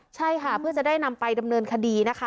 ใช่ค่ะเพื่อจะได้นำไปดำเนินคดีนะคะ